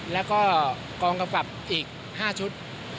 แล้วก็กองกำกับอีก๕ชุด